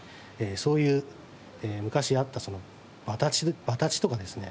そういう昔あった場立ちとかですね